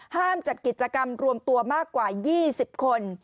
จัดกิจกรรมรวมตัวมากกว่า๒๐คน